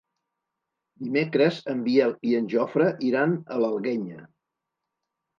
Dimecres en Biel i en Jofre iran a l'Alguenya.